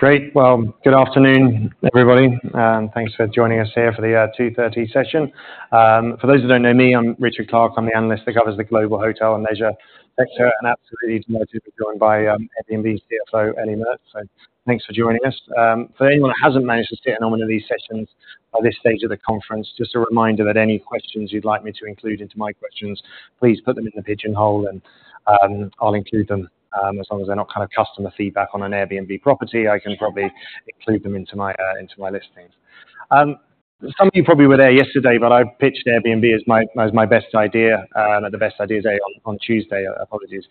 Great. Well, good afternoon, everybody, and thanks for joining us here for the 2:30 P.M. session. For those who don't know me, I'm Richard Clarke. I'm the analyst that covers the global hotel and leisure sector, and absolutely delighted to be joined by Airbnb's CFO, Ellie Mertz. So thanks for joining us. For anyone who hasn't managed to sit in on one of these sessions by this stage of the conference, just a reminder that any questions you'd like me to include into my questions, please put them in the pigeonhole, and I'll include them, as long as they're not kind of customer feedback on an Airbnb property. I can probably include them into my, into my listings. Some of you probably were there yesterday, but I pitched Airbnb as my, as my best idea, at the Best Idea Day on, on Tuesday. Apologies.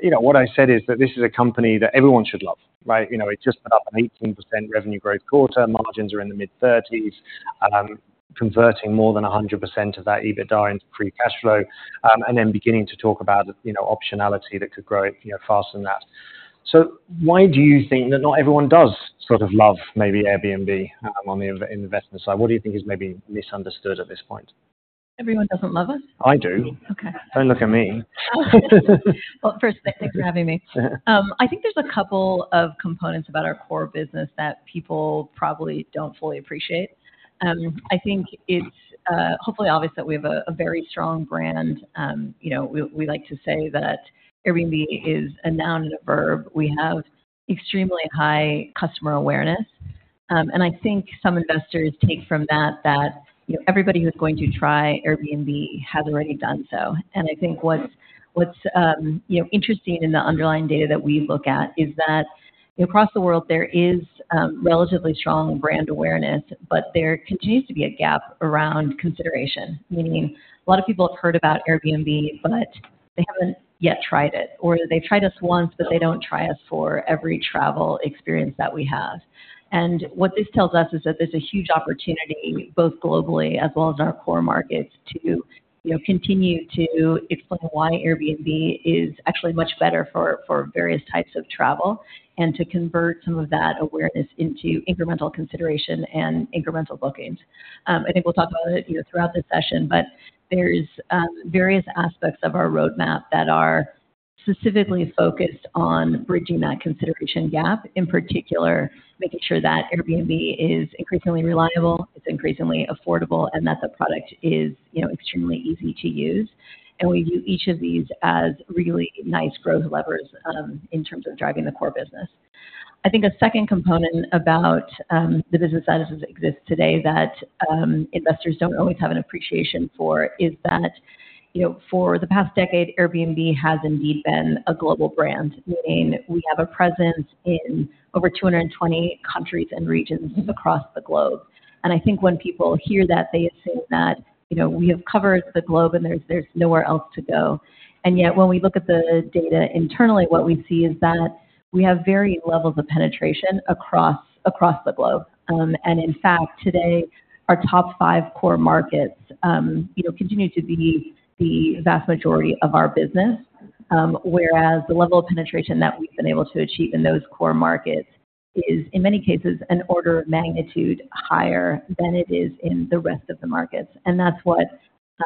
You know, what I said is that this is a company that everyone should love, right? You know, it just put up an 18% revenue growth quarter. Margins are in the mid-30s, converting more than 100% of that EBITDA into free cash flow, and then beginning to talk about, you know, optionality that could grow, you know, faster than that. So why do you think that not everyone does sort of love, maybe, Airbnb, on the investment side? What do you think is maybe misunderstood at this point? Everyone doesn't love us. I do. Okay. Don't look at me. Well, first, thanks for having me. I think there's a couple of components about our core business that people probably don't fully appreciate. I think it's, hopefully obvious that we have a very strong brand. You know, we like to say that Airbnb is a noun and a verb. We have extremely high customer awareness. And I think some investors take from that that, you know, everybody who's going to try Airbnb has already done so. And I think what's, you know, interesting in the underlying data that we look at is that, you know, across the world, there is relatively strong brand awareness, but there continues to be a gap around consideration, meaning a lot of people have heard about Airbnb, but they haven't yet tried it, or they've tried us once, but they don't try us for every travel experience that we have. What this tells us is that there's a huge opportunity, both globally as well as in our core markets, to, you know, continue to explain why Airbnb is actually much better for various types of travel and to convert some of that awareness into incremental consideration and incremental bookings. I think we'll talk about it, you know, throughout this session, but there's various aspects of our roadmap that are specifically focused on bridging that consideration gap, in particular making sure that Airbnb is increasingly reliable, it's increasingly affordable, and that the product is, you know, extremely easy to use. We view each of these as really nice growth levers, in terms of driving the core business. I think a second component about the business that exists today that investors don't always have an appreciation for is that, you know, for the past decade, Airbnb has indeed been a global brand, meaning we have a presence in over 220 countries and regions across the globe. I think when people hear that, they assume that, you know, we have covered the globe and there's nowhere else to go. Yet when we look at the data internally, what we see is that we have varied levels of penetration across the globe. And in fact, today, our top five core markets, you know, continue to be the vast majority of our business, whereas the level of penetration that we've been able to achieve in those core markets is, in many cases, an order of magnitude higher than it is in the rest of the markets. That's what,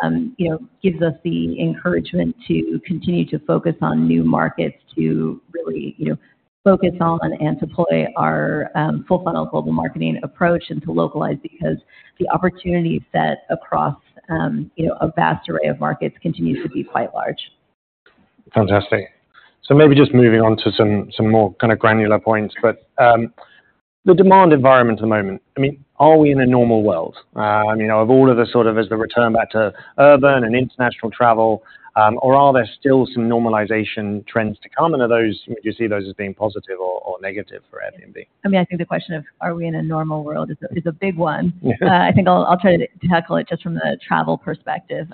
you know, gives us the encouragement to continue to focus on new markets, to really, you know, focus on and deploy our full-funnel global marketing approach and to localize because the opportunity set across, you know, a vast array of markets continues to be quite large. Fantastic. So maybe just moving on to some more kind of granular points. But the demand environment at the moment, I mean, are we in a normal world? I mean, of all of the sort of as the return back to urban and international travel, or are there still some normalization trends to come? And are those would you see those as being positive or negative for Airbnb? I mean, I think the question of are we in a normal world is a, is a big one. I think I'll, I'll try to tackle it just from the travel perspective.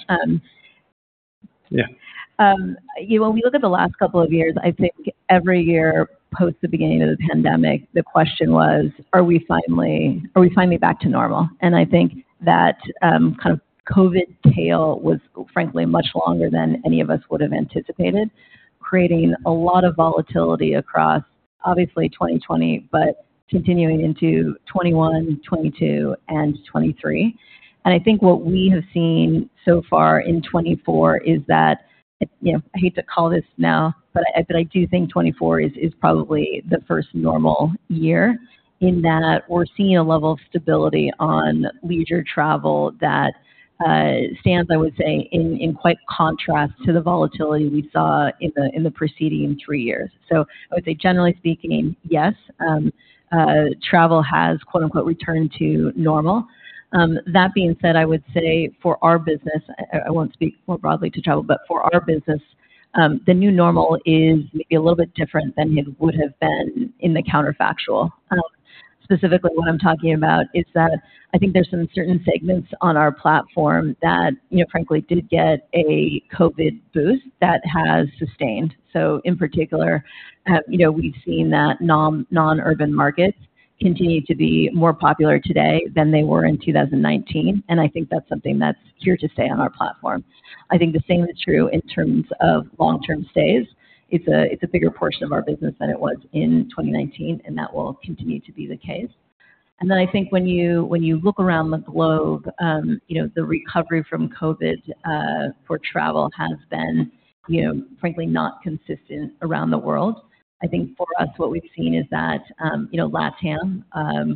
Yeah. You know, when we look at the last couple of years, I think every year post the beginning of the pandemic, the question was, are we finally back to normal? And I think that, kind of COVID tail was, frankly, much longer than any of us would have anticipated, creating a lot of volatility across, obviously, 2020, but continuing into 2021, 2022, and 2023. And I think what we have seen so far in 2024 is that, you know, I hate to call this now, but I do think 2024 is probably the first normal year in that we're seeing a level of stability on leisure travel that stands, I would say, in quite contrast to the volatility we saw in the preceding three years. So I would say, generally speaking, yes, travel has, quote-unquote, returned to normal. That being said, I would say for our business I, I won't speak more broadly to travel, but for our business, the new normal is maybe a little bit different than it would have been in the counterfactual. Specifically, what I'm talking about is that I think there's some certain segments on our platform that, you know, frankly, did get a COVID boost that has sustained. So in particular, you know, we've seen that non-urban markets continue to be more popular today than they were in 2019. And I think that's something that's here to stay on our platform. I think the same is true in terms of long-term stays. It's a it's a bigger portion of our business than it was in 2019, and that will continue to be the case. And then I think when you, when you look around the globe, you know, the recovery from COVID for travel has been, you know, frankly, not consistent around the world. I think for us, what we've seen is that, you know, LATAM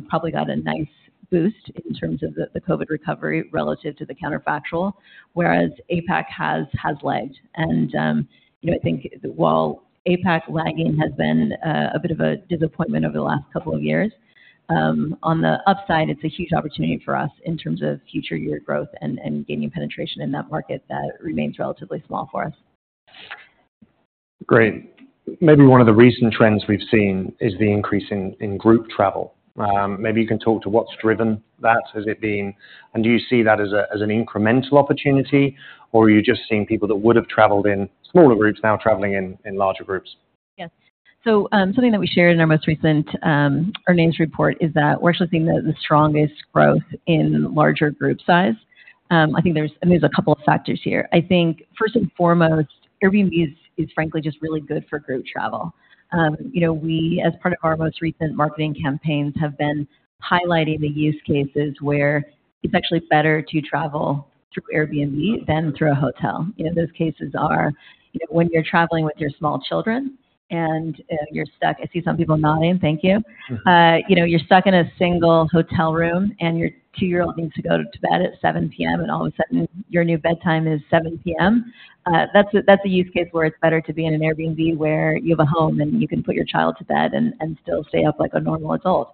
probably got a nice boost in terms of the, the COVID recovery relative to the counterfactual, whereas APAC has, has lagged. And, you know, I think while APAC lagging has been a bit of a disappointment over the last couple of years, on the upside, it's a huge opportunity for us in terms of future year growth and, and gaining penetration in that market that remains relatively small for us. Great. Maybe one of the recent trends we've seen is the increase in group travel. Maybe you can talk to what's driven that. Has it been and do you see that as an incremental opportunity, or are you just seeing people that would have traveled in smaller groups now traveling in larger groups? Yes. So, something that we shared in our most recent earnings report is that we're actually seeing the strongest growth in larger group size. I think there's, I mean, there's a couple of factors here. I think first and foremost, Airbnb is frankly just really good for group travel. You know, we, as part of our most recent marketing campaigns, have been highlighting the use cases where it's actually better to travel through Airbnb than through a hotel. You know, those cases are, you know, when you're traveling with your small children and, you're stuck. I see some people nodding. Thank you. You know, you're stuck in a single hotel room, and your two-year-old needs to go to bed at 7:00 P.M., and all of a sudden, your new bedtime is 7:00 P.M. That's a use case where it's better to be in an Airbnb where you have a home, and you can put your child to bed and still stay up like a normal adult.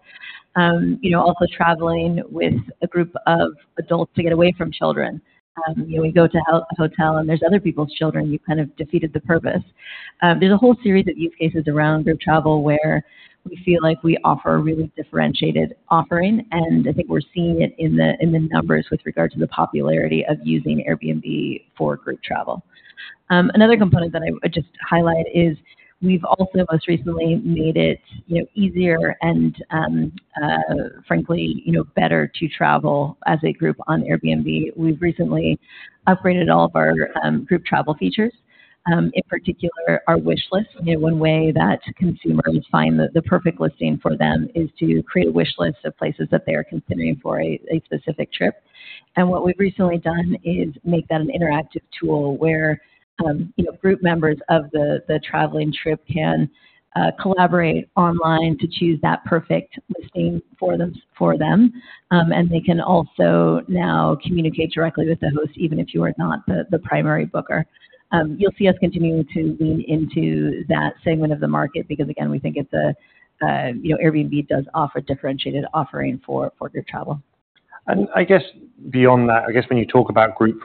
You know, also traveling with a group of adults to get away from children. You know, we go to hotel, and there's other people's children. You've kind of defeated the purpose. There's a whole series of use cases around group travel where we feel like we offer a really differentiated offering, and I think we're seeing it in the numbers with regard to the popularity of using Airbnb for group travel. Another component that I just highlight is we've also most recently made it, you know, easier and, frankly, you know, better to travel as a group on Airbnb. We've recently upgraded all of our group travel features. In particular, our Wishlist. You know, one way that consumers find the perfect listing for them is to create a Wishlist of places that they are considering for a specific trip. And what we've recently done is make that an interactive tool where, you know, group members of the traveling trip can collaborate online to choose that perfect listing for them. And they can also now communicate directly with the host, even if you are not the primary booker. You'll see us continuing to lean into that segment of the market because, again, we think it's a, you know, Airbnb does offer differentiated offering for group travel. I guess beyond that, I guess when you talk about group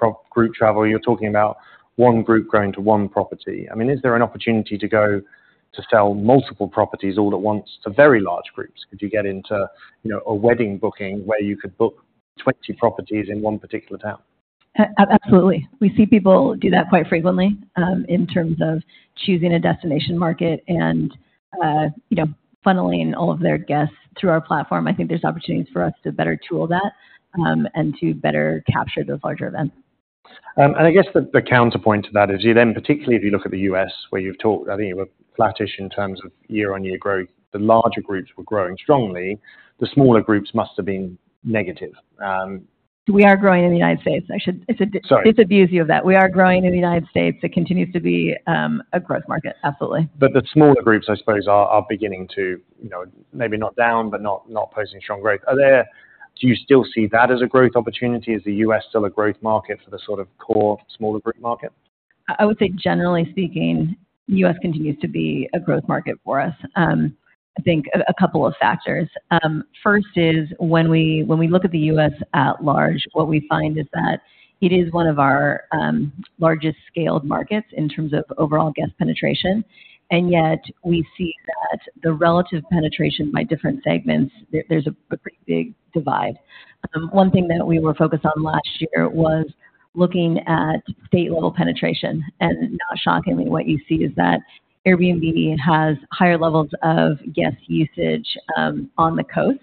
travel, you're talking about one group going to one property. I mean, is there an opportunity to go to sell multiple properties all at once to very large groups? Could you get into, you know, a wedding booking where you could book 20 properties in one particular town? Absolutely. We see people do that quite frequently, in terms of choosing a destination market and, you know, funneling all of their guests through our platform. I think there's opportunities for us to better tool that, and to better capture those larger events. I guess the counterpoint to that is you then particularly if you look at the U.S., where you've talked I think you were flattish in terms of year-on-year growth. The larger groups were growing strongly. The smaller groups must have been negative. We are growing in the United States. I should dis-. Sorry. Disabuse you of that. We are growing in the United States. It continues to be a growth market. Absolutely. But the smaller groups, I suppose, are beginning to, you know, maybe not down, but not posting strong growth. Do you still see that as a growth opportunity? Is the U.S. still a growth market for the sort of core smaller group market? I, I would say, generally speaking, the U.S. continues to be a growth market for us. I think a, a couple of factors. First is when we look at the U.S. at large, what we find is that it is one of our largest-scaled markets in terms of overall guest penetration. And yet, we see that the relative penetration by different segments, there's a pretty big divide. One thing that we were focused on last year was looking at state-level penetration. And not shockingly, what you see is that Airbnb has higher levels of guest usage on the coasts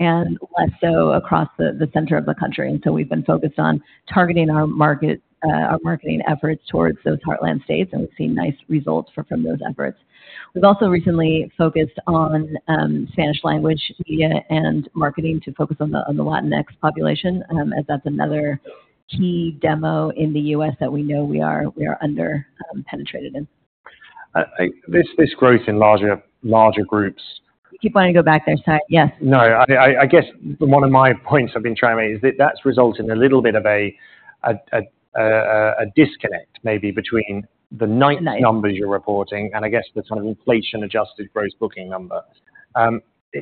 and less so across the center of the country. And so we've been focused on targeting our marketing efforts towards those heartland states, and we've seen nice results from those efforts. We've also recently focused on Spanish-language media and marketing to focus on the Latinx population, as that's another key demo in the U.S. that we know we are underpenetrated in. This growth in larger groups. You keep wanting to go back there. Sorry. Yes. No. I guess one of my points I've been trying to make is that that's resulted in a little bit of a disconnect maybe between the night. Nights. Numbers you're reporting and I guess the kind of inflation-adjusted gross booking number.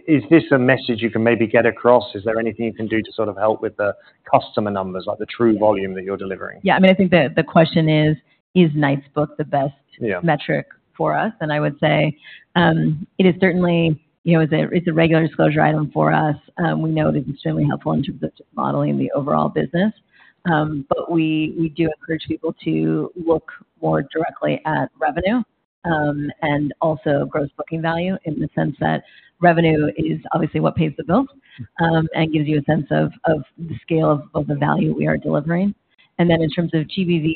Is this a message you can maybe get across? Is there anything you can do to sort of help with the customer numbers, like the true volume that you're delivering? Yeah. I mean, I think the question is, is nights booked the best. Yeah. Metric for us? I would say, it is certainly, you know, it's a regular disclosure item for us. We know it is extremely helpful in terms of just modeling the overall business. We, we do encourage people to look more directly at revenue, and also gross booking value in the sense that revenue is obviously what pays the bills, and gives you a sense of, of the scale of, of the value we are delivering. And then in terms of GBV,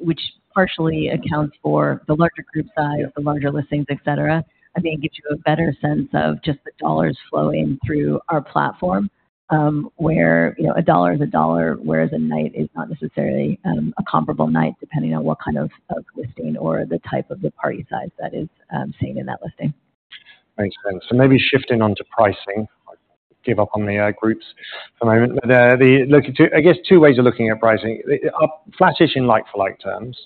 which partially accounts for the larger group size, the larger listings, etc., I mean, it gives you a better sense of just the dollars flowing through our platform, where, you know, a dollar is a dollar, whereas a night is not necessarily a comparable night depending on what kind of listing or the type of the party size that is seen in that listing. Makes sense. So maybe shifting onto pricing. I give up on the groups for a moment. But looking to, I guess, two ways of looking at pricing. They're flattish in like-for-like terms,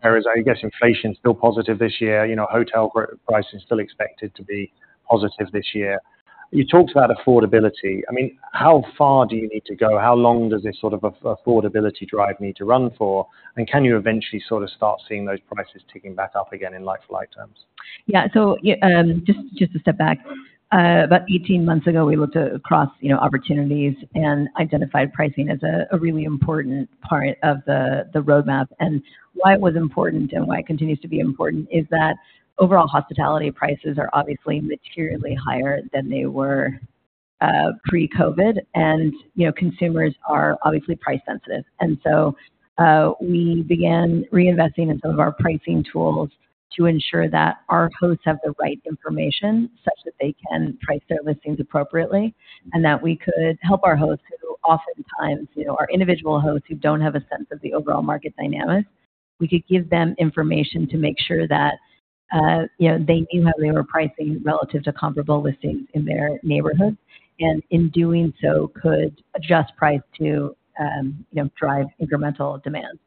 whereas I guess inflation's still positive this year. You know, hotel group pricing's still expected to be positive this year. You talked about affordability. I mean, how far do you need to go? How long does this sort of affordability drive need to run for? And can you eventually sort of start seeing those prices ticking back up again in like-for-like terms? Yeah. So just a step back. About 18 months ago, we looked across, you know, opportunities and identified pricing as a really important part of the roadmap. And why it was important and why it continues to be important is that overall hospitality prices are obviously materially higher than they were pre-COVID. And, you know, consumers are obviously price-sensitive. And so, we began reinvesting in some of our pricing tools to ensure that our hosts have the right information such that they can price their listings appropriately and that we could help our hosts who oftentimes, you know, our individual hosts who don't have a sense of the overall market dynamics. We could give them information to make sure that, you know, they knew how they were pricing relative to comparable listings in their neighborhoods and in doing so could adjust price to, you know, drive incremental demands.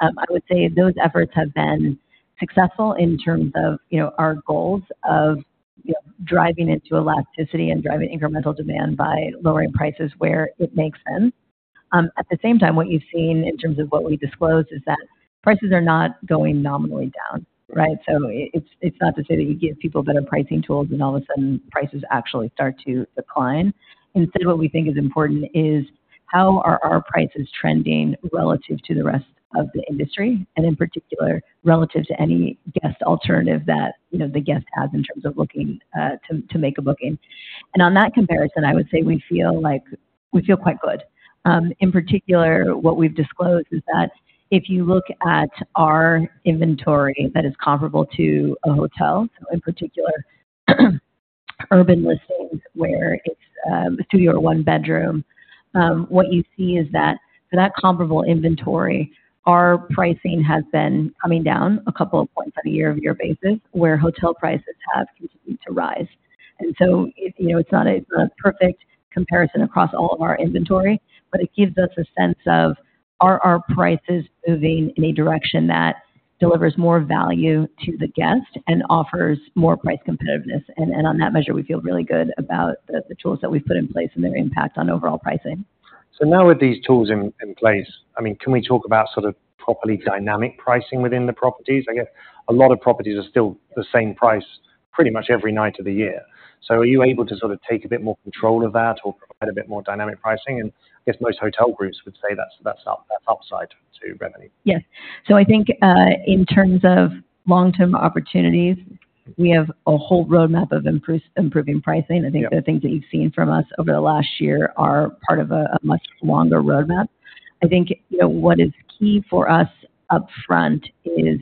I would say those efforts have been successful in terms of, you know, our goals of, you know, driving into elasticity and driving incremental demand by lowering prices where it makes sense. At the same time, what you've seen in terms of what we disclose is that prices are not going nominally down, right? So it's not to say that you give people better pricing tools, and all of a sudden, prices actually start to decline. Instead, what we think is important is how are our prices trending relative to the rest of the industry and in particular relative to any guest alternative that, you know, the guest has in terms of looking to make a booking. And on that comparison, I would say we feel like we feel quite good. In particular, what we've disclosed is that if you look at our inventory that is comparable to a hotel, so in particular urban listings where it's a studio or one-bedroom, what you see is that for that comparable inventory, our pricing has been coming down a couple of points on a year-over-year basis where hotel prices have continued to rise. And so, you know, it's not a perfect comparison across all of our inventory, but it gives us a sense of, are our prices moving in a direction that delivers more value to the guest and offers more price competitiveness? And on that measure, we feel really good about the tools that we've put in place and their impact on overall pricing. So now with these tools in place, I mean, can we talk about sort of properly dynamic pricing within the properties? I guess a lot of properties are still the same price pretty much every night of the year. So are you able to sort of take a bit more control of that or provide a bit more dynamic pricing? And I guess most hotel groups would say that's upside to revenue. Yes. So I think, in terms of long-term opportunities, we have a whole roadmap of improving pricing. I think the things that you've seen from us over the last year are part of a, a much longer roadmap. I think, you know, what is key for us upfront is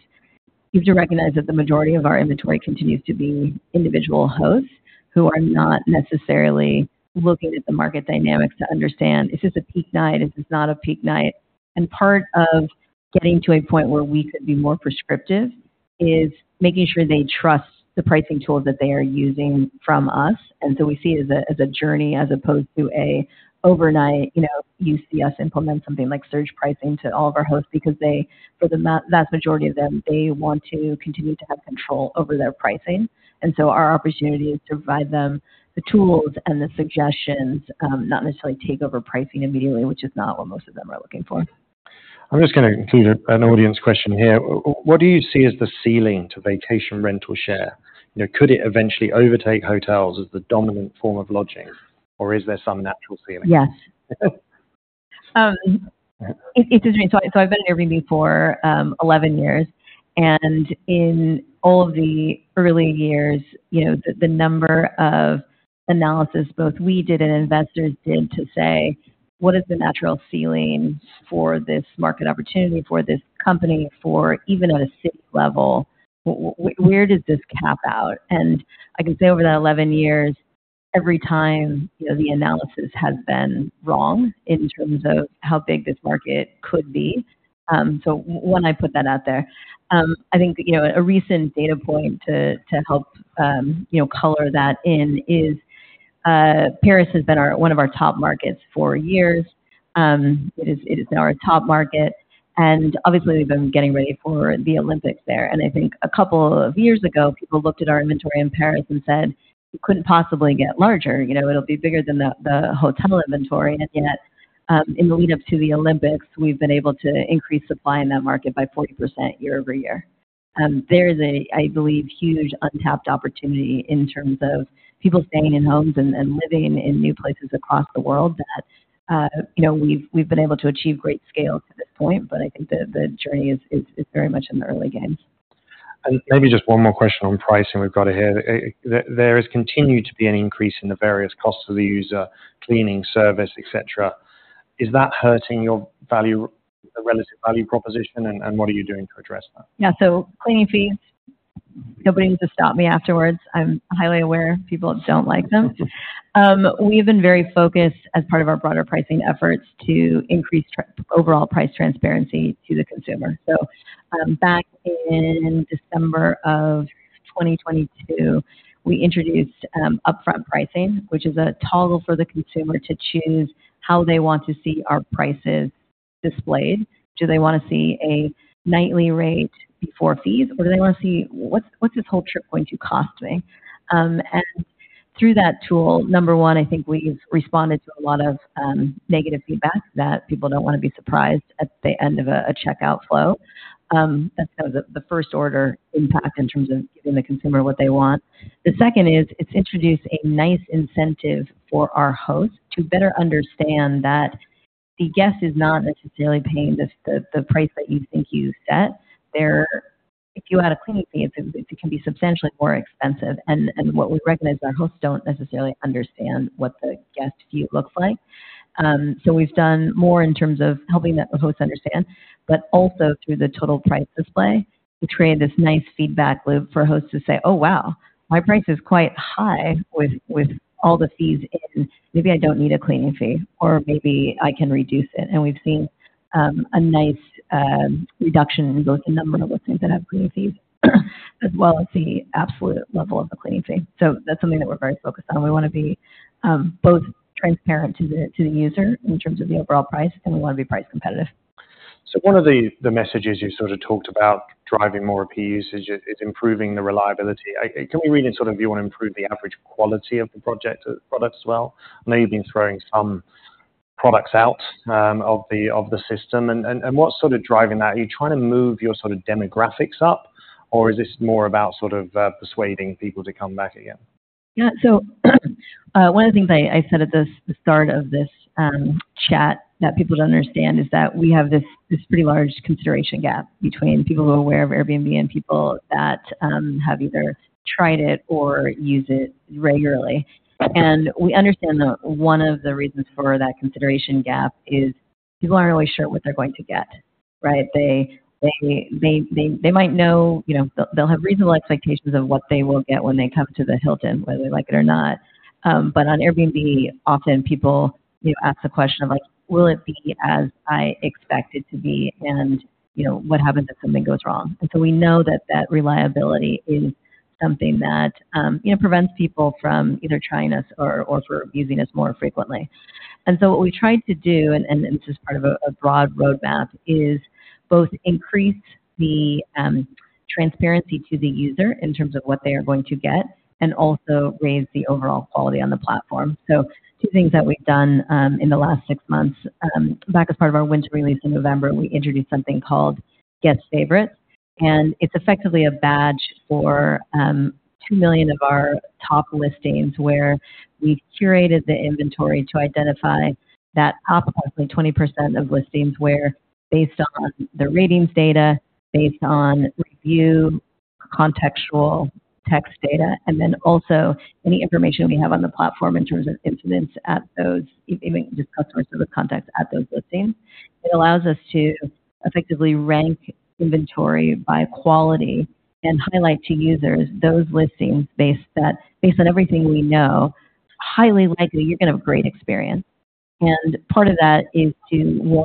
we have to recognize that the majority of our inventory continues to be individual hosts who are not necessarily looking at the market dynamics to understand, "Is this a peak night? Is this not a peak night?" And part of getting to a point where we could be more prescriptive is making sure they trust the pricing tools that they are using from us. We see it as a journey as opposed to an overnight, you know, you see us implement something like surge pricing to all of our hosts because, for the vast majority of them, they want to continue to have control over their pricing. And so our opportunity is to provide them the tools and the suggestions, not necessarily take over pricing immediately, which is not what most of them are looking for. I'm just gonna include an audience question here. What do you see as the ceiling to vacation rental share? You know, could it eventually overtake hotels as the dominant form of lodging, or is there some natural ceiling? Yes. It doesn't mean so, so I've been at Airbnb for 11 years. And in all of the early years, you know, the number of analyses both we did and investors did to say, "What is the natural ceiling for this market opportunity, for this company, for even at a city level? Where does this cap out?" And I can say over that 11 years, every time, you know, the analysis has been wrong in terms of how big this market could be. So when I put that out there, I think, you know, a recent data point to help, you know, color that in is, Paris has been one of our top markets for years. It is now our top market. And obviously, we've been getting ready for the Olympics there. And I think a couple of years ago, people looked at our inventory in Paris and said, "You couldn't possibly get larger. You know, it'll be bigger than the, the hotel inventory." And yet, in the lead-up to the Olympics, we've been able to increase supply in that market by 40% year-over-year. There is a, I believe, huge untapped opportunity in terms of people staying in homes and, and living in new places across the world that, you know, we've, we've been able to achieve great scale to this point. But I think the, the journey is, is, is very much in the early games. Maybe just one more question on pricing we've got to hear. There is continued to be an increase in the various costs of the user, cleaning, service, etc. Is that hurting your value or the relative value proposition? And what are you doing to address that? Yeah. So cleaning fees, nobody needs to stop me afterwards. I'm highly aware people don't like them. We have been very focused as part of our broader pricing efforts to increase our overall price transparency to the consumer. So, back in December of 2022, we introduced Upfront Pricing, which is a toggle for the consumer to choose how they want to see our prices displayed. Do they wanna see a nightly rate before fees, or do they wanna see, "What's this whole trip going to cost me?" and through that tool, number one, I think we've responded to a lot of negative feedback that people don't wanna be surprised at the end of a checkout flow. That's kind of the first-order impact in terms of giving the consumer what they want. The second is it's introduced a nice incentive for our hosts to better understand that the guest is not necessarily paying the price that you think you set. They're if you add a cleaning fee, it can be substantially more expensive. And what we recognize is our hosts don't necessarily understand what the guest view looks like. So we've done more in terms of helping the hosts understand. But also through the total price display, we created this nice feedback loop for hosts to say, "Oh, wow. My price is quite high with all the fees in. Maybe I don't need a cleaning fee, or maybe I can reduce it." And we've seen a nice reduction in both the number of listings that have cleaning fees as well as the absolute level of the cleaning fee. So that's something that we're very focused on. We wanna be both transparent to the user in terms of the overall price, and we wanna be price competitive. So one of the messages you sort of talked about driving more peer usage is improving the reliability. I can we read in sort of you wanna improve the average quality of the project or product as well? I know you've been throwing some products out of the system. And what's sort of driving that? Are you trying to move your sort of demographics up, or is this more about sort of persuading people to come back again? Yeah. So, one of the things I said at the start of this chat that people don't understand is that we have this pretty large consideration gap between people who are aware of Airbnb and people that have either tried it or use it regularly. And we understand that one of the reasons for that consideration gap is people aren't always sure what they're going to get, right? They might know you know, they'll have reasonable expectations of what they will get when they come to the Hilton, whether they like it or not. But on Airbnb, often, people, you know, ask the question of, like, "Will it be as I expected to be? And, you know, what happens if something goes wrong?" And so we know that that reliability is something that, you know, prevents people from either trying us or, or for using us more frequently. And so what we've tried to do and, and this is part of a, a broad roadmap is both increase the, transparency to the user in terms of what they are going to get and also raise the overall quality on the platform. So two things that we've done, in the last six months, back as part of our Winter Release in November, we introduced something called Guest Favorites. It's effectively a badge for 2 million of our top listings where we've curated the inventory to identify that top approximately 20% of listings where based on the ratings data, based on review, contextual text data, and then also any information we have on the platform in terms of incidents at those, even just customer service contacts at those listings. It allows us to effectively rank inventory by quality and highlight to users those listings based on everything we know, highly likely you're gonna have great experience. Part of that is to, one,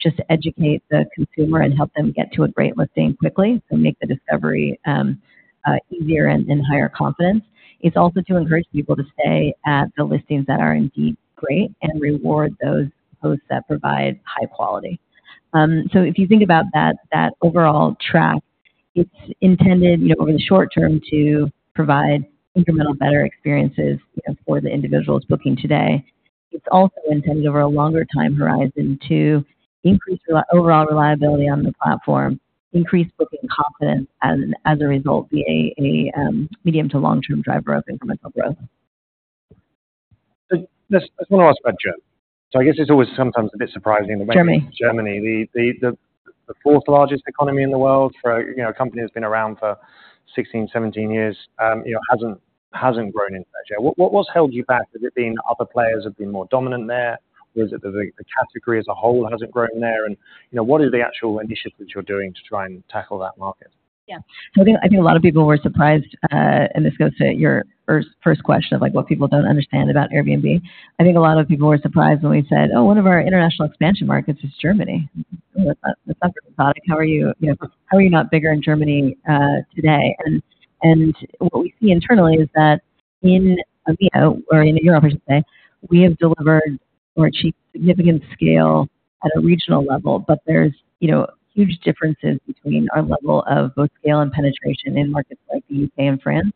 just educate the consumer and help them get to a great listing quickly and make the discovery easier and higher confidence. It's also to encourage people to stay at the listings that are indeed great and reward those hosts that provide high quality. If you think about that, that overall track, it's intended, you know, over the short term to provide incremental better Experiences, you know, for the individuals booking today. It's also intended over a longer time horizon to increase overall reliability on the platform, increase booking confidence as a result, be a medium to long-term driver of incremental growth. So this, I just wanna ask about Germany. So I guess it's always sometimes a bit surprising that when Germany. Germany. The fourth largest economy in the world for a, you know, a company that's been around for 16, 17 years, you know, hasn't grown in size. Yeah. What's held you back? Has it been other players have been more dominant there, or is it that the category as a whole hasn't grown there? And, you know, what are the actual initiatives you're doing to try and tackle that market? Yeah. So I think I think a lot of people were surprised, and this goes to your first, first question of, like, what people don't understand about Airbnb. I think a lot of people were surprised when we said, "Oh, one of our international expansion markets is Germany." That's not a good product. How are you, you know, how are you not bigger in Germany, today? And, and what we see internally is that in EMEA or in Europe, I should say, we have delivered or achieved significant scale at a regional level. But there's, you know, huge differences between our level of both scale and penetration in markets like the U.K. and France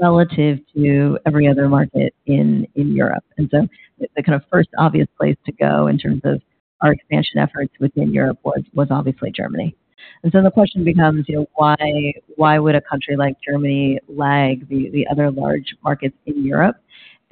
relative to every other market in, in Europe. And so the, the kind of first obvious place to go in terms of our expansion efforts within Europe was, was obviously Germany. So the question becomes, you know, why would a country like Germany lag the other large markets in Europe?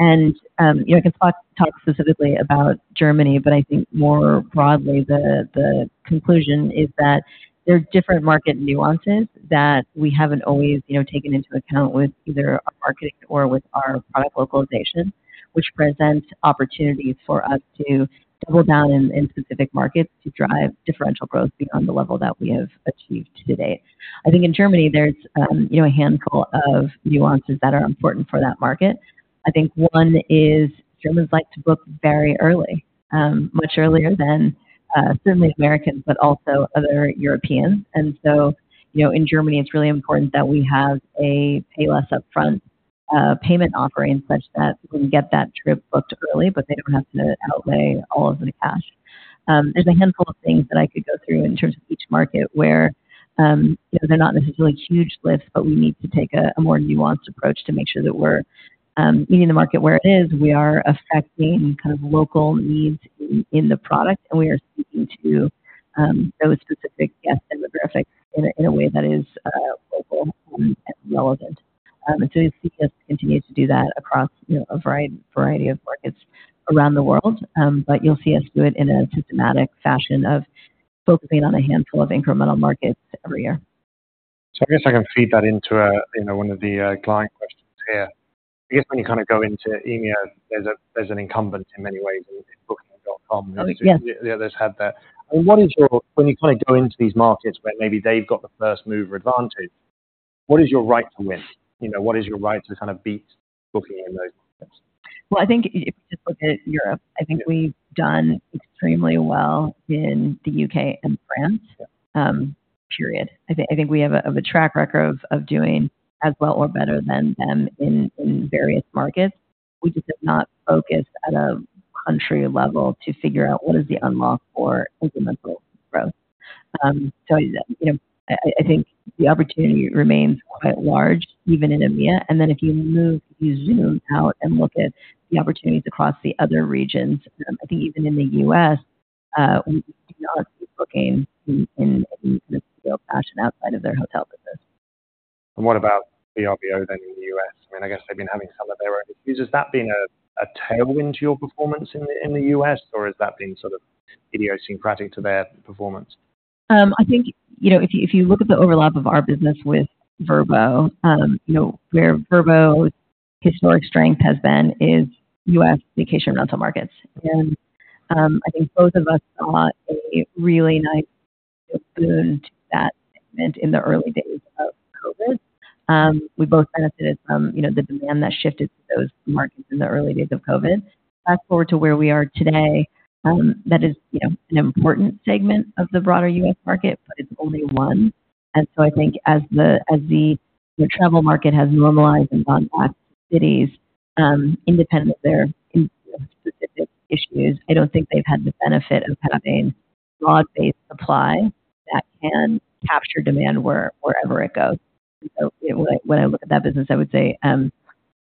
You know, I can talk specifically about Germany, but I think more broadly, the conclusion is that there are different market nuances that we haven't always, you know, taken into account with either our marketing or with our product localization, which presents opportunities for us to double down in specific markets to drive differential growth beyond the level that we have achieved to date. I think in Germany, there's, you know, a handful of nuances that are important for that market. I think one is Germans like to book very early, much earlier than, certainly Americans but also other Europeans. And so, you know, in Germany, it's really important that we have a Pay Less Upfront, payment offering such that we can get that trip booked early, but they don't have to outlay all of the cash. There's a handful of things that I could go through in terms of each market where, you know, they're not necessarily huge lifts, but we need to take a more nuanced approach to make sure that we're meeting the market where it is. We are affecting kind of local needs in the product, and we are speaking to those specific guest demographics in a way that is local and relevant. And so you'll see us continue to do that across, you know, a variety of markets around the world. You'll see us do it in a systematic fashion of focusing on a handful of incremental markets every year. I guess I can feed that into a you know, one of the client questions here. I guess when you kinda go into EMEA, there's an incumbent in many ways in Booking.com. Oh, yes. What is your right to win when you kinda go into these markets where maybe they've got the first mover advantage? You know, what is your right to kinda beat Booking in those markets? Well, I think if we just look at Europe, I think we've done extremely well in the U.K. and France. Yeah. Period. I think we have a track record of doing as well or better than them in various markets. We just have not focused at a country level to figure out what is the unlock for incremental growth. So, you know, I think the opportunity remains quite large even in EMEA. And then if you zoom out and look at the opportunities across the other regions, I think even in the U.S., we do not see Booking in kind of scale fashion outside of their hotel business. What about the Vrbo then in the US? I mean, I guess they've been having some of their own issues. Has that been a tailwind to your performance in the US, or has that been sort of idiosyncratic to their performance? I think, you know, if you if you look at the overlap of our business with Vrbo, you know, where Vrbo's historic strength has been is U.S. vacation rental markets. And, I think both of us saw a really nice, you know, boon to that segment in the early days of COVID. We both benefited from, you know, the demand that shifted to those markets in the early days of COVID. Fast forward to where we are today, that is, you know, an important segment of the broader U.S. market, but it's only one. And so I think as the as the, you know, travel market has normalized and gone back to cities, independent of their in-house specific issues, I don't think they've had the benefit of having broad-based supply that can capture demand where, wherever it goes. So you know, when I look at that business, I would say, you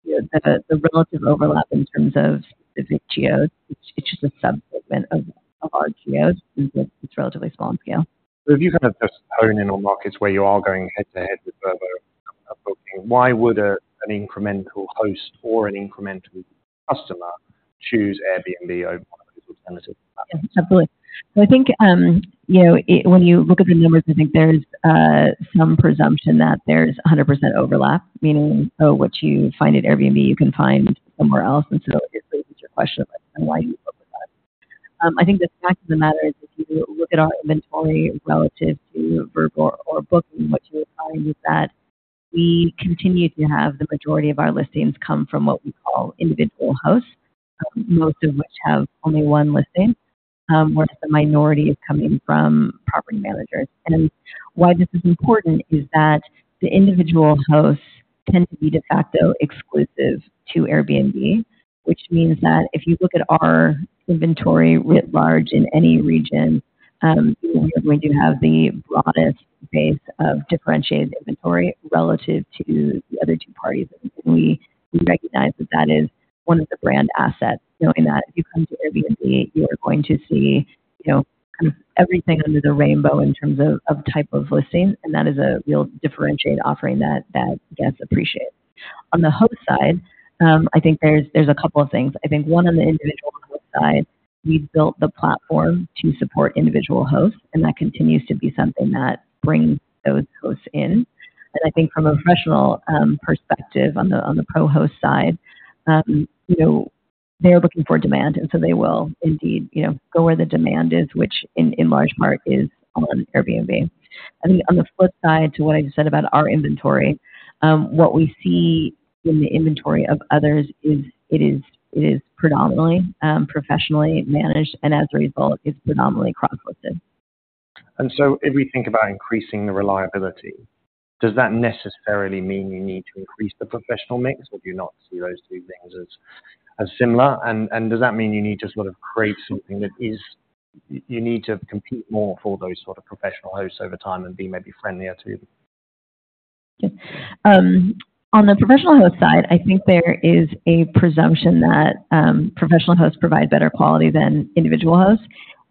know, the relative overlap in terms of specific geos, it's just a subsegment of our geos because it's relatively small in scale. So if you kinda just hone in on markets where you are going head-to-head with Vrbo or Booking, why would an incremental host or an incremental customer choose Airbnb over one of those alternatives? Yeah. Absolutely. So I think, you know, it when you look at the numbers, I think there's some presumption that there's 100% overlap, meaning, "Oh, what you find at Airbnb, you can find somewhere else." And so it raises your question of, like, then why do you focus on that? I think the fact of the matter is if you look at our inventory relative to Vrbo or Booking, what you'll find is that we continue to have the majority of our listings come from what we call individual hosts, most of which have only one listing, whereas the minority is coming from property managers. Why this is important is that the individual hosts tend to be de facto exclusive to Airbnb, which means that if you look at our inventory writ large in any region, you know, we are going to have the broadest base of differentiated inventory relative to the other two parties. We recognize that that is one of the brand assets, knowing that if you come to Airbnb, you are going to see, you know, kind of everything under the rainbow in terms of type of listing. And that is a real differentiated offering that guests appreciate. On the host side, I think there's a couple of things. I think one, on the individual host side, we built the platform to support individual hosts, and that continues to be something that brings those hosts in. I think from a professional perspective on the pro-host side, you know, they're looking for demand, and so they will indeed, you know, go where the demand is, which, in large part, is on Airbnb. I think on the flip side to what I just said about our inventory, what we see in the inventory of others is predominantly professionally managed, and as a result, it's predominantly cross-listed. And so if we think about increasing the reliability, does that necessarily mean you need to increase the professional mix? Would you not see those two things as similar? And does that mean you need to sort of create something that is you need to compete more for those sort of professional hosts over time and be maybe friendlier to them? Yeah. On the professional host side, I think there is a presumption that professional hosts provide better quality than individual hosts.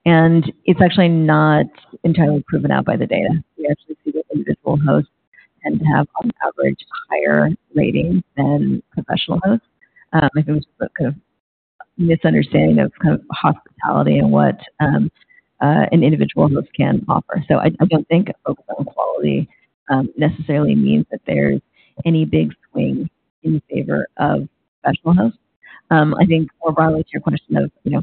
It's actually not entirely proven out by the data. We actually see that individual hosts tend to have, on average, higher ratings than professional hosts. I think it was kind of a misunderstanding of kind of hospitality and what an individual host can offer. I, I don't think focus on quality necessarily means that there's any big swing in favor of professional hosts. I think more broadly to your question of, you know,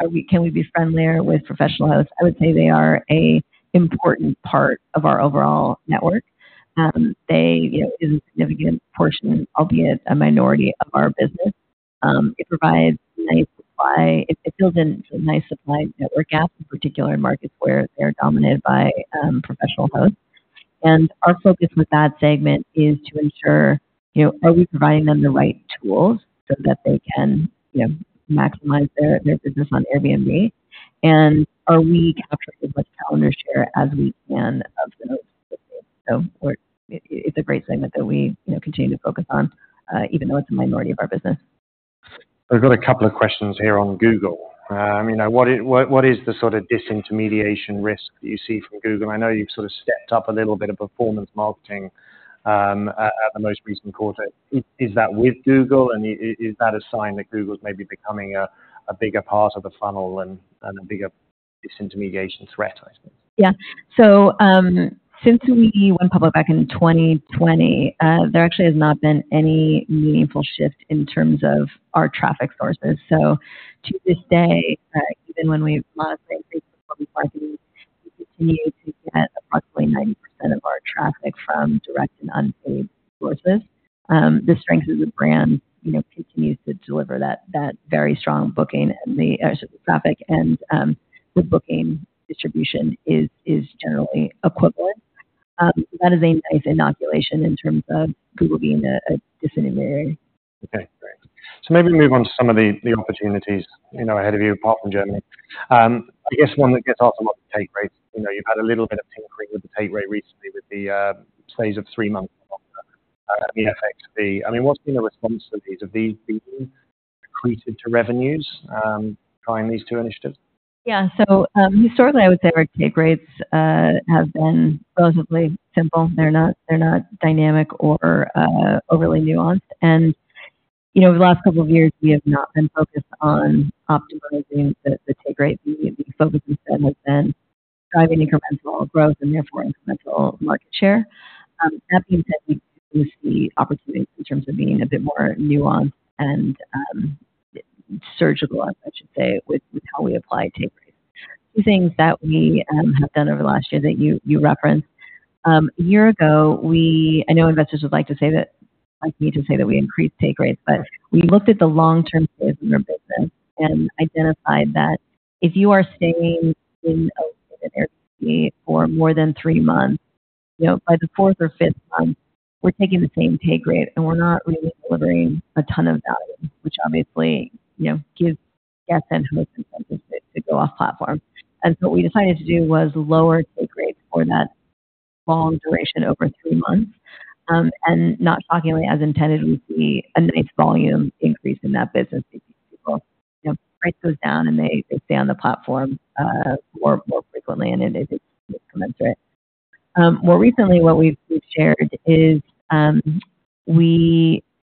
are we can we be friendlier with professional hosts? I would say they are an important part of our overall network. They, you know, is a significant portion, albeit a minority, of our business. It provides nice supply. It fills in some nice supply network gaps in particular in markets where they are dominated by professional hosts. Our focus with that segment is to ensure, you know, are we providing them the right tools so that they can, you know, maximize their business on Airbnb? Are we capturing as much calendar share as we can of those listings? So, we're. It's a great segment that we, you know, continue to focus on, even though it's a minority of our business. So we've got a couple of questions here on Google. You know, what is the sort of disintermediation risk that you see from Google? I know you've sort of stepped up a little bit of performance marketing at the most recent quarter. Is that with Google? And is that a sign that Google's maybe becoming a bigger part of the funnel and a bigger disintermediation threat, I suppose? Yeah. So, since we went public back in 2020, there actually has not been any meaningful shift in terms of our traffic sources. So to this day, even when we've modestly increased performance marketing, we continue to get approximately 90% of our traffic from direct and unpaid sources. The strengths of the brand, you know, continues to deliver that, that very strong booking and the or so the traffic and, the booking distribution is, is generally equivalent. So that is a nice inoculation in terms of Google being a, a disintermediator. Okay. Great. So maybe move on to some of the opportunities, you know, ahead of you apart from Germany. I guess one that gets asked a lot is take rates. You know, you've had a little bit of tinkering with the take rate recently with the phase of three months of the effects of the. I mean, what's been the response to these? Have these been accreted to revenues, trying these two initiatives? Yeah. So, historically, I would say our take rates have been relatively simple. They're not they're not dynamic or overly nuanced. And, you know, over the last couple of years, we have not been focused on optimizing the take rate. The focus instead has been driving incremental growth and therefore incremental market share. That being said, we do see opportunities in terms of being a bit more nuanced and surgical, I should say, with how we apply take rates. Two things that we have done over the last year that you referenced. A year ago, we, I know investors would like to say that like me to say that we increased take rates, but we looked at the long-term phase of our business and identified that if you are staying in a located Airbnb for more than 3 months, you know, by the fourth or fifth month, we're taking the same take rate, and we're not really delivering a ton of value, which obviously, you know, gives guests and hosts incentives to go off-platform. And so what we decided to do was lower take rates for that long duration over 3 months, and not shockingly, as intended, we see a nice volume increase in that business because people, you know, price goes down, and they stay on the platform more frequently, and it commensurate. More recently, what we've shared is,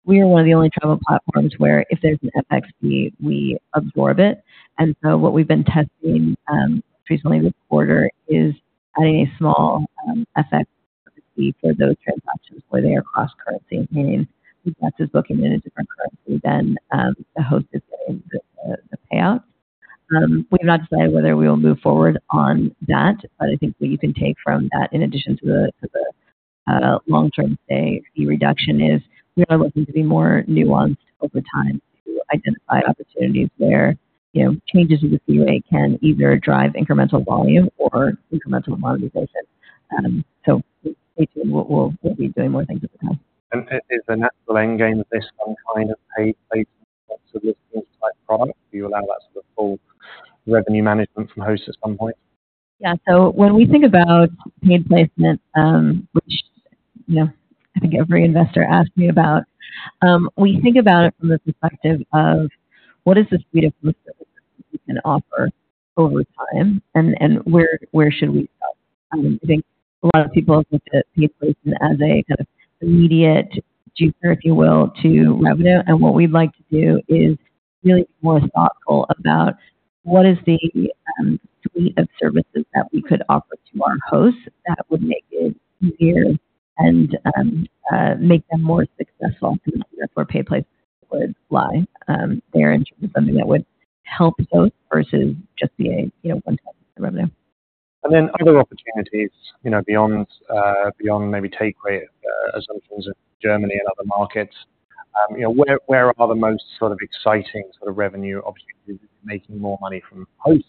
we are one of the only travel platforms where if there's an FX fee, we absorb it. And so what we've been testing, recently this quarter is adding a small FX fee for those transactions where they are cross-currency, meaning the guest is booking in a different currency than the host is getting the payout. We have not decided whether we will move forward on that, but I think what you can take from that in addition to the long-term stay fee reduction is we are looking to be more nuanced over time to identify opportunities where, you know, changes in the fee rate can either drive incremental volume or incremental monetization. So stay tuned. We'll be doing more things with that. Is the natural end game of this some kind of paid placement in terms of listings-type product? Do you allow that sort of full revenue management from hosts at some point? Yeah. So when we think about paid placement, which, you know, I think every investor asks me about, we think about it from the perspective of what is the suite of host services that we can offer over time, and where should we start? I think a lot of people have looked at paid placement as a kind of immediate juicer, if you will, to revenue. And what we'd like to do is really be more thoughtful about what is the suite of services that we could offer to our hosts that would make it easier and make them more successful, and therefore paid placement would lie there in terms of something that would help hosts versus just be a, you know, one-time revenue. And then other opportunities, you know, beyond, beyond maybe take rate assumptions in Germany and other markets, you know, where, where are the most sort of exciting sort of revenue opportunities? Is it making more money from hosts?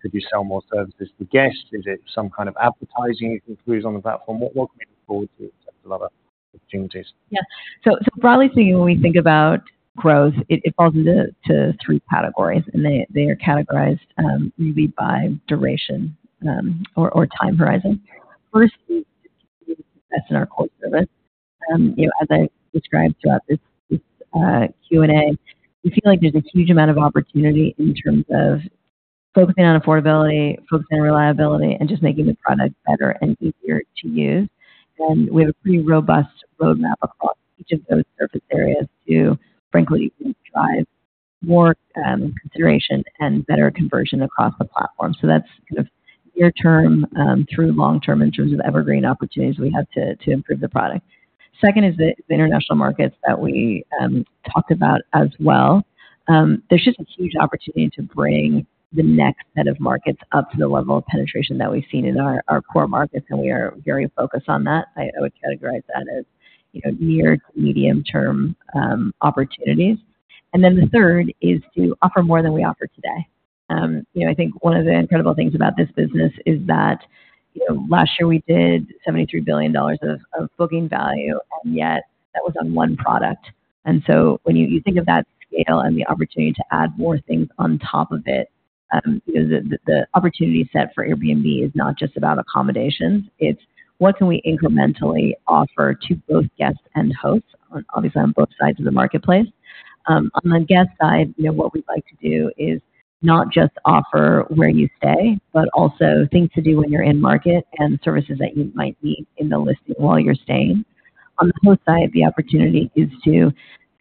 Could you sell more services to guests? Is it some kind of advertising you can cruise on the platform? What, what can we look forward to in terms of other opportunities? Yeah. So broadly speaking, when we think about growth, it falls into three categories, and they are categorized really by duration or time horizon. First is to continue to invest in our core service. You know, as I've described throughout this Q&A, we feel like there's a huge amount of opportunity in terms of focusing on affordability, focusing on reliability, and just making the product better and easier to use. And we have a pretty robust roadmap across each of those surface areas to frankly drive more consideration and better conversion across the platform. So that's kind of near-term through long-term in terms of evergreen opportunities we have to improve the product. Second is the international markets that we talked about as well. There's just a huge opportunity to bring the next set of markets up to the level of penetration that we've seen in our core markets, and we are very focused on that. I would categorize that as, you know, near- to medium-term opportunities. And then the third is to offer more than we offer today. You know, I think one of the incredible things about this business is that, you know, last year, we did $73 billion of booking value, and yet that was on one product. And so when you think of that scale and the opportunity to add more things on top of it, you know, the opportunity set for Airbnb is not just about accommodations. It's what can we incrementally offer to both guests and hosts on obviously, on both sides of the marketplace. On the guest side, you know, what we'd like to do is not just offer where you stay but also things to do when you're in market and services that you might need in the listing while you're staying. On the host side, the opportunity is to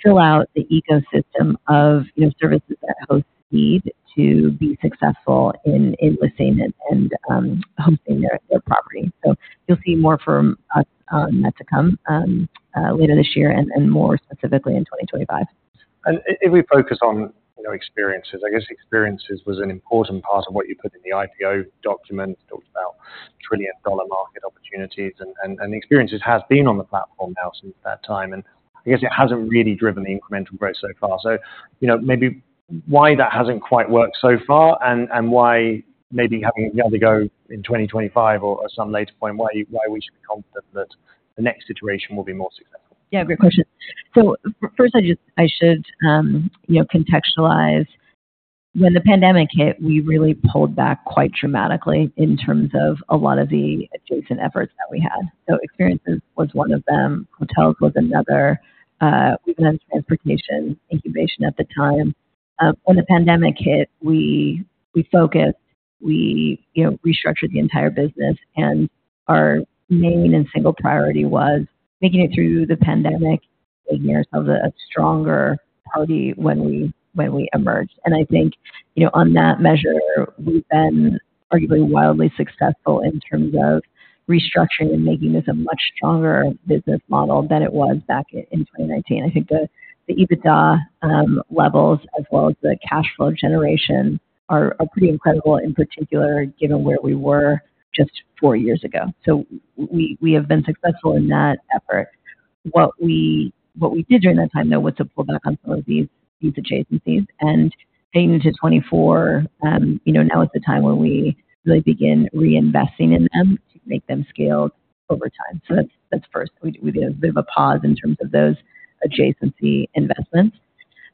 fill out the ecosystem of, you know, services that hosts need to be successful in listing and hosting their property. So you'll see more from us on that to come, later this year and more specifically in 2025. And if we focus on, you know, experiences, I guess experiences was an important part of what you put in the IPO document. You talked about trillion-dollar market opportunities, and experiences has been on the platform now since that time. And I guess it hasn't really driven the incremental growth so far. So, you know, maybe why that hasn't quite worked so far and why maybe having the other go in 2025 or some later point, why we should be confident that the next situation will be more successful? Yeah. Great question. So first, I just I should, you know, contextualize. When the pandemic hit, we really pulled back quite dramatically in terms of a lot of the adjacent efforts that we had. So experiences was one of them. Hotels was another. We went on transportation incubation at the time. When the pandemic hit, we, we focused. We, you know, restructured the entire business, and our main and single priority was making it through the pandemic, making ourselves a, a stronger party when we when we emerged. I think, you know, on that measure, we've been arguably wildly successful in terms of restructuring and making this a much stronger business model than it was back in, in 2019. I think the, the EBITDA levels as well as the cash flow generation are, are pretty incredible in particular given where we were just four years ago. So we have been successful in that effort. What we did during that time, though, was to pull back on some of these adjacencies and take them to 2024. You know, now is the time where we really begin reinvesting in them to make them scaled over time. So that's first. We did a bit of a pause in terms of those adjacency investments.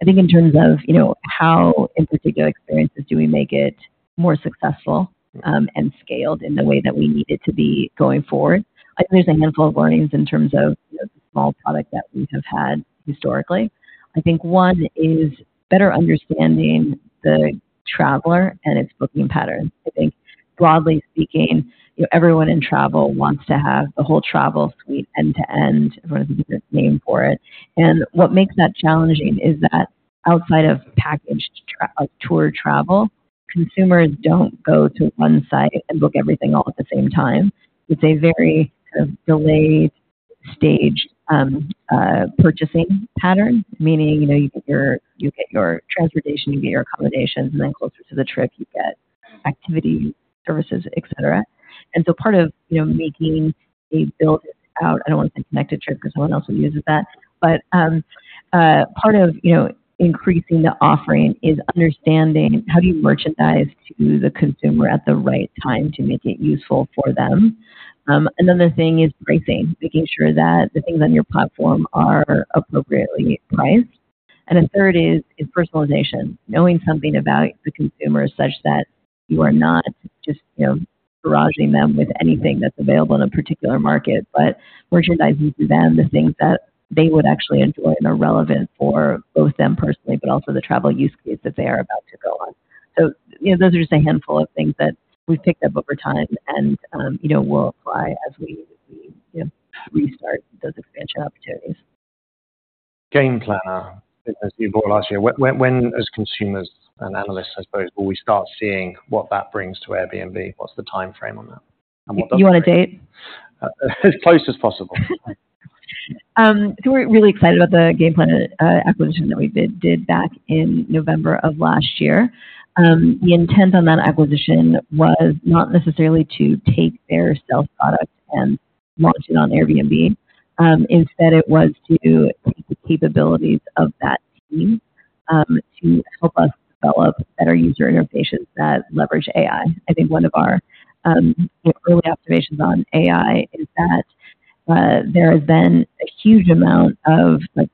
I think in terms of, you know, how in particular experiences do we make it more successful, and scaled in the way that we need it to be going forward? I think there's a handful of learnings in terms of, you know, the small product that we have had historically. I think one is better understanding the traveler and its booking patterns. I think broadly speaking, you know, everyone in travel wants to have the whole travel suite end to end. Everyone has a different name for it. And what makes that challenging is that outside of packaged travel like tour travel, consumers don't go to one site and book everything all at the same time. It's a very kind of delayed, staged, purchasing pattern, meaning, you know, you get your transportation. You get your accommodations. And then closer to the trip, you get activities, services, etc. And so part of, you know, making a built-out I don't wanna say Connected Trip 'cause someone else will use it that. But, part of, you know, increasing the offering is understanding how do you merchandise to the consumer at the right time to make it useful for them? Another thing is pricing, making sure that the things on your platform are appropriately priced. And a third is personalization, knowing something about the consumer such that you are not just, you know, barraging them with anything that's available in a particular market but merchandising to them the things that they would actually enjoy and are relevant for both them personally but also the travel use case that they are about to go on. So, you know, those are just a handful of things that we've picked up over time and, you know, will apply as we, you know, restart those expansion opportunities. GamePlanner business you bought last year. When as consumers and analysts, I suppose, will we start seeing what that brings to Airbnb? What's the timeframe on that? And what does it. Do you want a date? As close as possible. So we're really excited about the GamePlanner.AI acquisition that we did back in November of last year. The intent on that acquisition was not necessarily to take their sales product and launch it on Airbnb. Instead, it was to take the capabilities of that team, to help us develop better user interfaces that leverage AI. I think one of our, you know, early observations on AI is that there has been a huge amount of, like,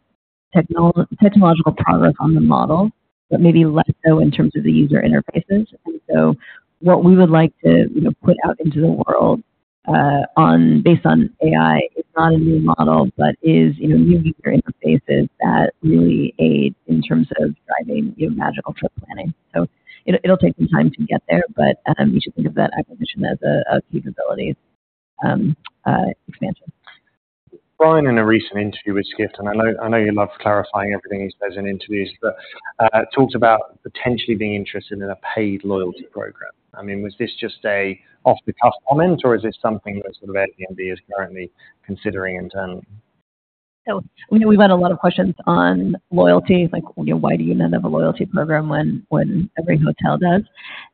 technological progress on the model but maybe less so in terms of the user interfaces. And so what we would like to, you know, put out into the world, or based on AI is not a new model but is, you know, new user interfaces that really aid in terms of driving, you know, magical trip planning. So it'll take some time to get there, but you should think of that acquisition as a capabilities expansion. Brian, in a recent interview with Skift, and I know I know you love clarifying everything he says in interviews, but talked about potentially being interested in a paid loyalty program. I mean, was this just a off-the-cuff comment, or is it something that sort of Airbnb is currently considering internally? So we know we've had a lot of questions on loyalty, like, you know, why do you not have a loyalty program when, when every hotel does?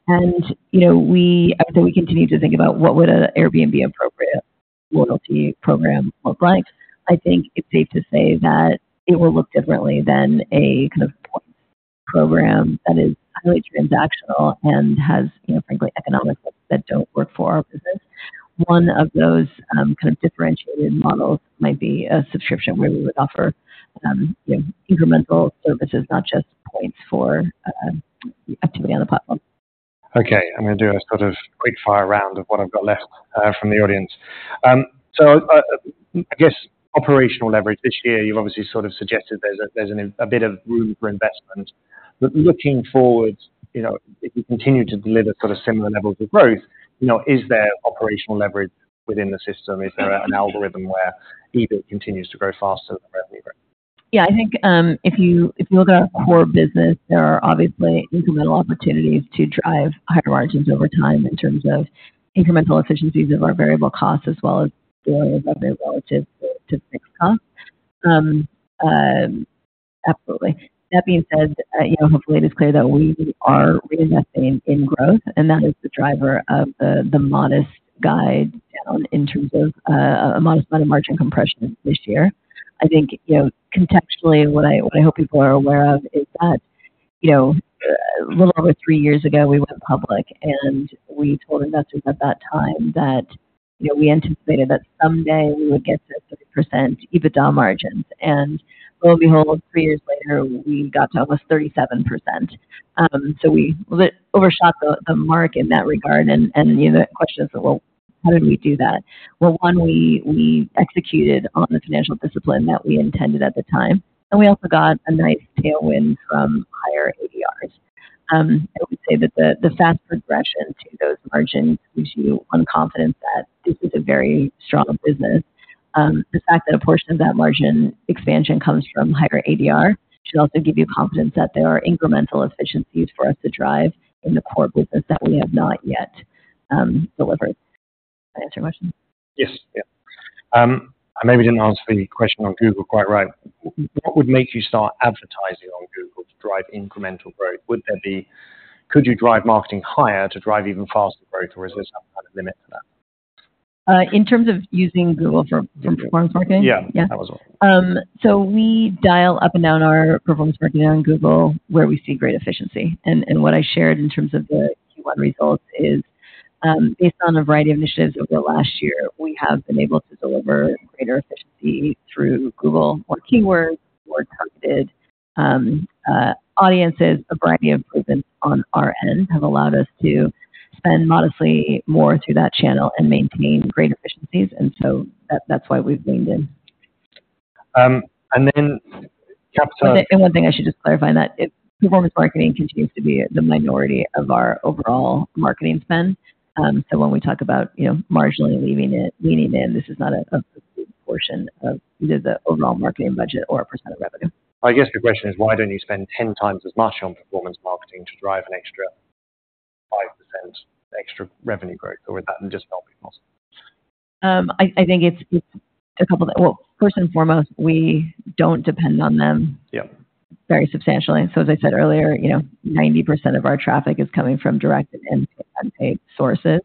And, you know, we I would say we continue to think about what would an Airbnb-appropriate loyalty program look like. I think it's safe to say that it will look differently than a kind of point program that is highly transactional and has, you know, frankly, economics that, that don't work for our business. One of those, kind of differentiated models might be a subscription where we would offer, you know, incremental services, not just points for, activity on the platform. Okay. I'm gonna do a sort of quick-fire round of what I've got left, from the audience. So, I guess operational leverage. This year, you've obviously sort of suggested there's a bit of room for investment. But looking forward, you know, if you continue to deliver sort of similar levels of growth, you know, is there operational leverage within the system? Is there an algorithm where EBITDA continues to grow faster than revenue growth? Yeah. I think, if you if you look at our core business, there are obviously incremental opportunities to drive higher margins over time in terms of incremental efficiencies of our variable costs as well as the variance of their relative to, to fixed costs. Absolutely. That being said, you know, hopefully, it is clear that we are reinvesting in growth, and that is the driver of the, the modest guide down in terms of, a modest amount of margin compression this year. I think, you know, contextually, what I what I hope people are aware of is that, you know, a little over three years ago, we went public, and we told investors at that time that, you know, we anticipated that someday we would get to 30% EBITDA margins. And lo and behold, three years later, we got to almost 37%. So we a little bit overshot the mark in that regard. And you know, the question is that, well, how did we do that? Well, one, we executed on the financial discipline that we intended at the time. And we also got a nice tailwind from higher ADRs. I would say that the fast progression to those margins gives you one confidence that this is a very strong business. The fact that a portion of that margin expansion comes from higher ADR should also give you confidence that there are incremental efficiencies for us to drive in the core business that we have not yet delivered. Does that answer your question? Yes. Yeah. I maybe didn't answer the question on Google quite right. What would make you start advertising on Google to drive incremental growth? Would there be could you drive marketing higher to drive even faster growth, or is there some kind of limit to that? In terms of using Google for performance marketing? Yeah. Yeah. That was one. So we dial up and down our performance marketing on Google where we see great efficiency. And, and what I shared in terms of the Q1 results is, based on a variety of initiatives over the last year, we have been able to deliver greater efficiency through Google, more keywords, more targeted audiences. A variety of improvements on our end have allowed us to spend modestly more through that channel and maintain great efficiencies. And so that-that's why we've leaned in. and then capital. One thing I should just clarify in that, if performance marketing continues to be the minority of our overall marketing spend, so when we talk about, you know, marginally leaving it leaning in, this is not a big portion of either the overall marketing budget or a percent of revenue. Well, I guess the question is, why don't you spend 10 times as much on performance marketing to drive an extra 5% extra revenue growth? Or would that just not be possible? I think it's a couple things. Well, first and foremost, we don't depend on them. Yep. Very substantially. So as I said earlier, you know, 90% of our traffic is coming from direct and paid unpaid sources,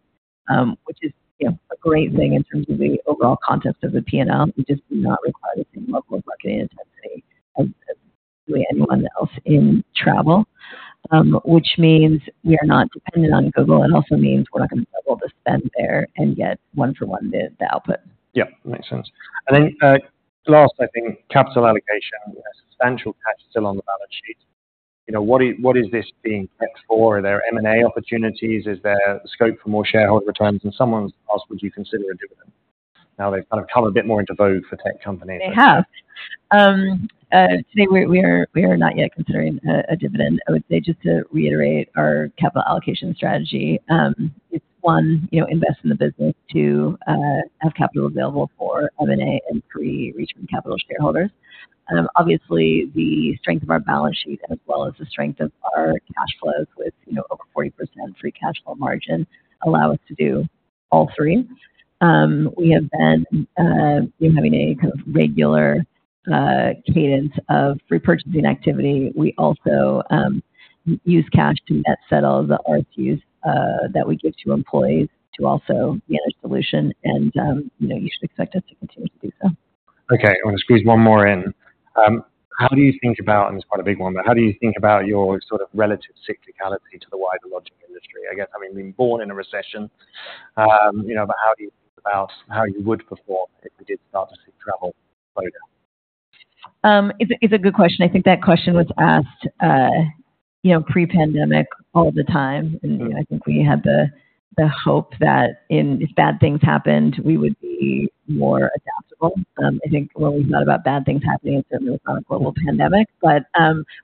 which is, you know, a great thing in terms of the overall context of the P&L. We just do not require the same level of marketing intensity as, as really anyone else in travel, which means we are not dependent on Google. It also means we're not gonna double the spend there and get one-for-one the, the output. Yep. Makes sense. And then, last, I think, capital allocation. You know, substantial cash still on the balance sheet. You know, what is this being kept for? Are there M&A opportunities? Is there scope for more shareholder returns? And someone's asked, would you consider a dividend? Now, they've kind of come a bit more into vogue for tech companies. They have. Today, we are not yet considering a dividend. I would say just to reiterate our capital allocation strategy, it's one, you know, invest in the business. Two, have capital available for M&A and return capital to shareholders. Obviously, the strength of our balance sheet as well as the strength of our cash flows with, you know, over 40% free cash flow margin allow us to do all three. We have been, you know, having a kind of regular cadence of repurchasing activity. We also use cash to net settle the RSUs that we give to employees to also manage the dilution. And, you know, you should expect us to continue to do so. Okay. I wanna squeeze one more in. How do you think about and this is quite a big one, but how do you think about your sort of relative cyclicality to the wider lodging industry? I guess, I mean, being born in a recession, you know, but how do you think about how you would perform if we did start to see travel slow down? It's a good question. I think that question was asked, you know, pre-pandemic all the time. You know, I think we had the hope that if bad things happened, we would be more adaptable. I think when we thought about bad things happening, it certainly was not a global pandemic. But,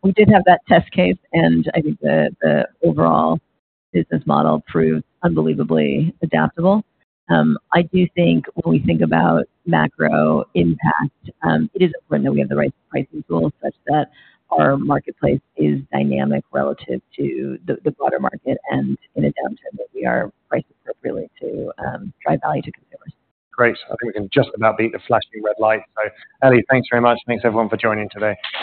we did have that test case, and I think the overall business model proved unbelievably adaptable. I do think when we think about macro impact, it is important that we have the right pricing tools such that our marketplace is dynamic relative to the broader market and in a downturn that we are priced appropriately to drive value to consumers. Great. I think we can just about beat the flashing red light. So Ellie, thanks very much. Thanks, everyone, for joining today.